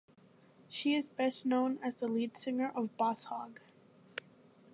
She is best known as the lead singer of Boss Hog.